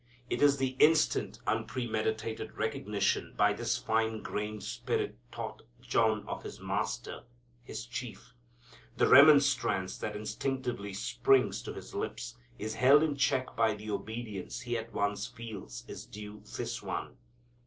It is the instant unpremeditated recognition by this fine grained Spirit taught John of his Master, his Chief. The remonstrance that instinctively springs to his lips is held in check by the obedience he at once feels is due this One.